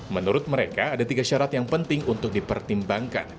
menurut mereka ada tiga syarat yang penting untuk dipertimbangkan